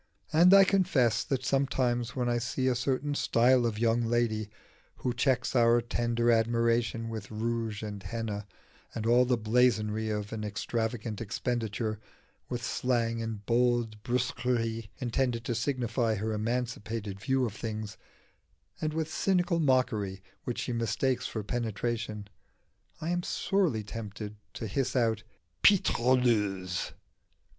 And I confess that sometimes when I see a certain style of young lady, who checks our tender admiration with rouge and henna and all the blazonry of an extravagant expenditure, with slang and bold brusquerie intended to signify her emancipated view of things, and with cynical mockery which she mistakes for penetration, I am sorely tempted to hiss out "_Pétroleuse!